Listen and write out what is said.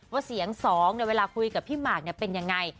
ว่าเสียงสองเนี่ยเวลาคุยกับพี่หมาดเนี่ยเป็นยังไง